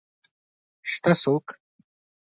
شته څوک؟